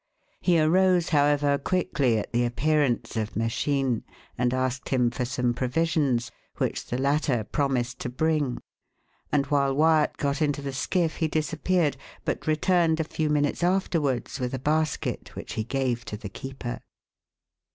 He arose, however, quickly at the appearance of Meschines, and asked him for some provisions, which the latter promised to bring, and while Wyat got into the skiff he disappeared, but returned a few minutes afterwards with a basket, which he gave to the keeper.